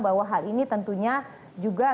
bahwa hal ini tentunya juga